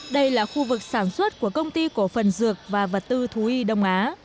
đây là khu vực sản xuất của công ty cổ phần dược và vật tư thú y đông á